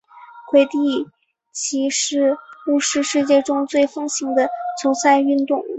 魁地奇是巫师世界中最风行的球赛运动。